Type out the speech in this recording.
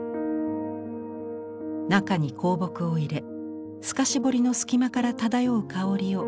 中に香木を入れ透かし彫りの隙間から漂う香りを楽しみます。